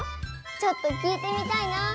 ちょっと聞いてみたいなぁ。